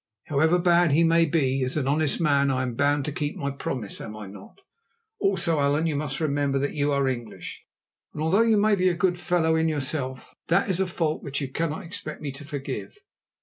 However bad he may be, as an honest man I am bound to keep my promise, am I not? Also, Allan, you must remember that you are English, and although you may be a good fellow in yourself, that is a fault which you cannot expect me to forgive.